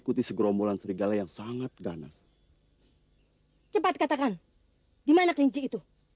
komen jok lagi